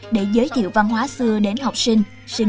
để giới thiệu văn hóa xưa đến học sinh